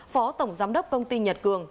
phó tổng giám đốc công ty nhật cường